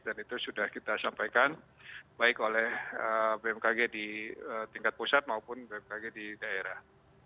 dan itu sudah kita sampaikan baik oleh bmkg di tingkat pusat maupun bmkg di daerah